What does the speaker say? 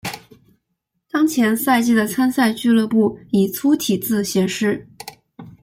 当前赛季的参赛俱乐部以粗体字显示。